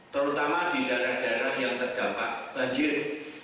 terutama di daerah daerah yang terdampak banjir